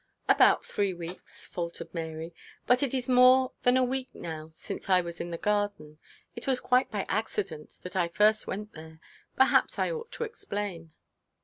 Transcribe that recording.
'About three weeks,' faltered Mary. 'But it is more than a week now since I was in the garden. It was quite by accident that I first went there. Perhaps I ought to explain.'